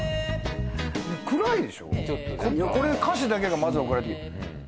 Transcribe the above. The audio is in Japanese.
これ歌詞だけがまず送られてきて。